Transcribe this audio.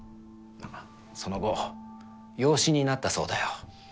ああその後養子になったそうだよ。